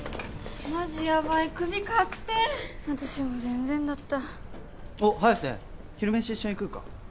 マジヤバイクビ確定私も全然だったおっ早瀬昼メシ一緒に食うか？